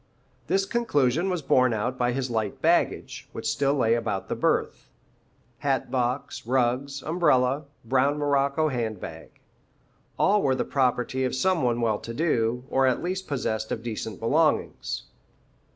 This conclusion was borne out by his light baggage, which still lay about the berth, hat box, rugs, umbrella, brown morocco hand bag. All were the property of some one well to do, or at least possessed of decent belongings.